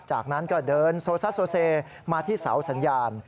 จากนั้นก็เดินโซซ่าโซเซมาที่เสาสัญญาณ